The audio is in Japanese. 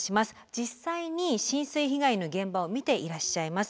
実際に浸水被害の現場を見ていらっしゃいます